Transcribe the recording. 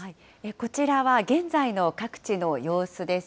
こちらは現在の各地の様子です。